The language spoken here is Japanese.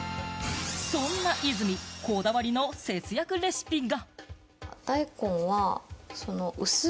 そんな和泉、こだわりの節約レシピが。